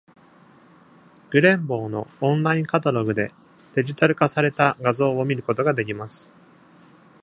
グレンボウのオンラインカタログで、デジタル化された画像を観ることができます。